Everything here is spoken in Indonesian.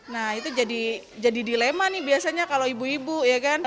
nah itu jadi dilema nih biasanya kalau ibu ibu ya kan